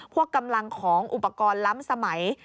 กำลังของอุปกรณ์ล้ำสมัย